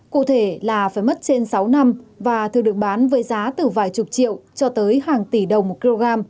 cụ thể là phải mất trên sáu năm và thường được bán với giá từ vài chục triệu cho tới hàng tỷ đồng một kg